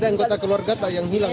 ada anggota keluarga yang hilang